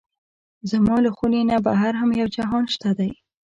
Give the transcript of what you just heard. زما له خونې نه بهر هم یو جهان شته دی.